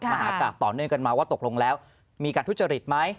มหากราบต่อเนื่องกันมาว่าตกลงแล้วมีการทุจริตไหม